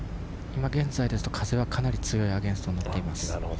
今現在、風はかなり強いアゲンストになっています。